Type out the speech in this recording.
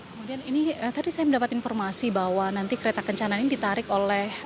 kemudian ini tadi saya mendapat informasi bahwa nanti kereta kencana ini ditarik oleh